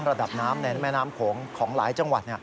ระดับน้ำในแม่น้ำโขงของหลายจังหวัด